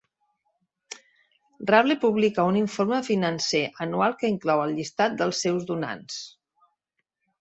Rabble publica un informe financer anual que inclou el llistat dels seus donants.